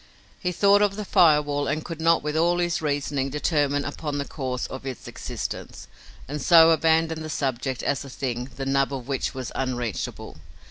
He thought of the fire wall, and could not with all his reasoning determine upon the cause of its existence, and so abandoned the subject as a thing, the nub of which was unreachable.